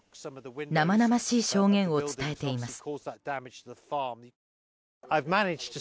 生々しい証言を伝えています。